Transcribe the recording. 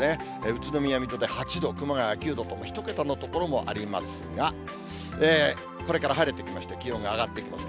宇都宮、水戸で８度、熊谷は９度と、１桁の所もありますが、これから晴れてきまして、気温が上がってきます。